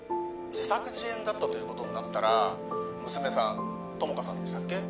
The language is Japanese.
自作自演だったということになったら娘さん友果さんでしたっけ？